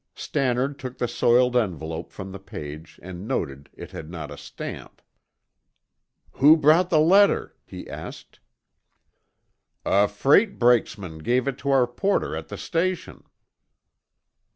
Stannard took the soiled envelope from the page and noted it had not a stamp. "Who brought the letter?" he asked. "A freight brakesman gave it to our porter at the station."